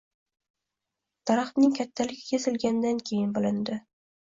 Daraxtning kattaligi kesilgandan keyin bilinadi…